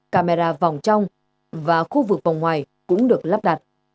camera vòng trong và khu vực vòng ngoài cũng được lắp đặt